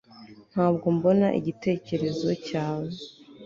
ntabwo mbona igitekerezo cyawe